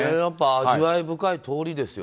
味わい深い通りですよ